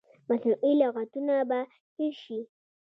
مصنوعي لغتونه به هیر شي.